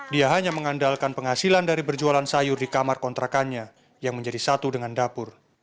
dia hanya mengandalkan penghasilan dari berjualan sayur di kamar kontrakannya yang menjadi satu dengan dapur